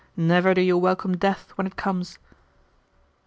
Never do you welcome death when it comes!"